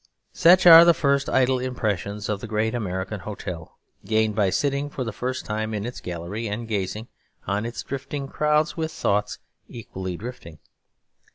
Such are the first idle impressions of the great American hotel, gained by sitting for the first time in its gallery and gazing on its drifting crowds with thoughts equally drifting.